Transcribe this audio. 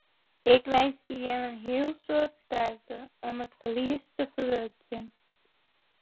Ik winskje jimme in heel soad sterkte om it ferlies te ferwurkjen.